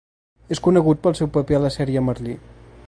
És conegut pel seu paper a la sèrie Merlí.